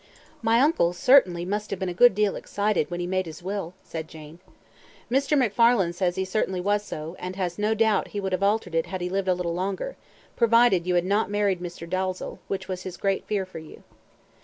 "My uncle, certainly, must have been a good deal excited when he made his will," said Jane. "Mr. McFarlane says he certainly was so, and has no doubt he would have altered it had he lived a little longer provided you had not married Mr. Dalzell, which was his great fear for you."